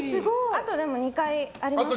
あとでも２回ありますもんね。